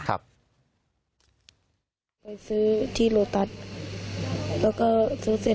กับใครกับเพื่อน